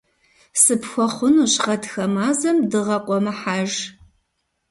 Сыпхуэхъунущ гъатхэ мазэм дыгъэ къуэмыхьэж.